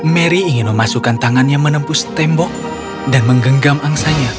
mary ingin memasukkan tangannya menembus tembok dan menggenggam angsanya